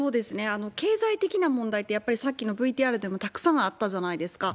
経済的な問題って、やっぱりさっきのＶＴＲでもたくさんあったじゃないですか。